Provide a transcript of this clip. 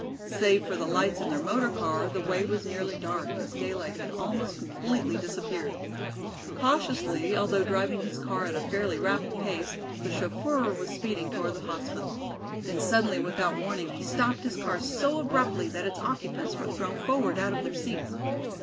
Save for the lights in their motor car the way was nearly dark, as daylight had almost completely disappeared. Cautiously, although driving his car at a fairly rapid pace, the chauffeur was speeding toward the hospital. Then suddenly without warning he stopped his car so abruptly that its occupants were thrown forward out of their seats.